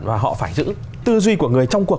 và họ phải giữ tư duy của người trong cuộc